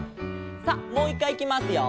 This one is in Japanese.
さあもう１かいいきますよ。